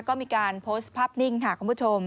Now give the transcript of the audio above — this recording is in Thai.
ก็มีการโพสต์ภาพนิ่งค่ะคุณผู้ชม